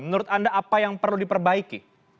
menurut anda apa yang perlu diperbaiki